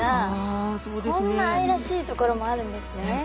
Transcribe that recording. こんな愛らしいところもあるんですね。